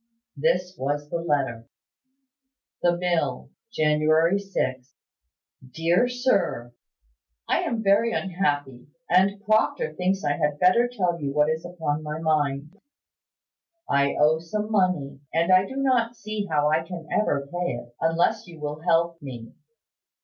This was the letter: "The Mill, January 6th. "Dear Sir, "I am very unhappy; and Proctor thinks I had better tell you what is upon my mind. I owe some money, and I do not see how I can ever pay it, unless you will help me.